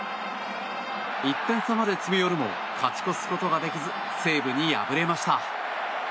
１点差まで詰め寄るも勝ち越すことができず西武に敗れました。